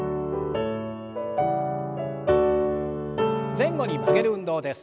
前後に曲げる運動です。